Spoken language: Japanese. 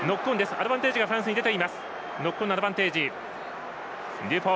アドバンテージがフランスに出ています。